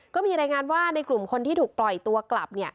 ก็มีรายงานว่าในกลุ่มคนที่ถูกปล่อยตัวกลับ